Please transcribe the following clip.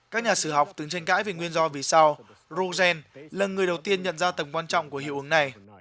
các nhà sử học từng tranh cãi về nguyên do vì sao rogaine lần người đầu tiên nhận ra tầng quan trọng của hiệu ứng này